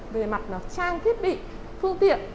về mặt trang thiết bị phương tiện